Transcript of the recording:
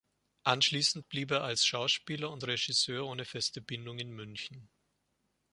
Anschließend blieb er als Schauspieler und Regisseur ohne feste Bindung in München.